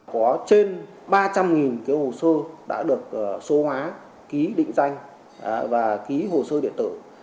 có trên ba trăm linh hồ sơ đã được số hóa ký định danh và ký hồ sơ điện tử